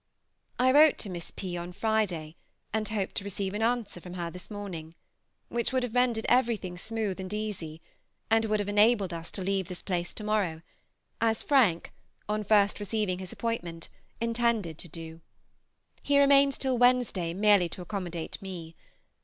I wrote to Miss P. on Friday, and hoped to receive an answer from her this morning, which would have rendered everything smooth and easy, and would have enabled us to leave this place to morrow, as Frank, on first receiving his appointment, intended to do. He remains till Wednesday merely to accommodate me.